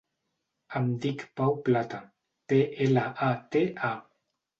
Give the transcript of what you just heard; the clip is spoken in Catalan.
Em dic Pau Plata: pe, ela, a, te, a.